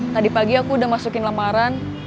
tadi pagi aku udah masukin lamaran